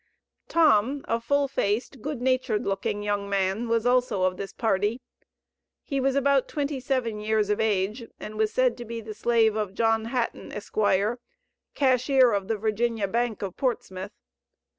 Tom, a full faced, good natured looking young man, was also of this party. He was about twenty seven years of age, and was said to be the slave of John Hatten, Esq., Cashier of the Virginia Bank of Portsmouth.